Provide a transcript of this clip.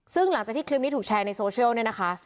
ซึ่งหลังจากที่คลิปนี้ถูกแชร์ในโซเชียลเนี่ยนะคะ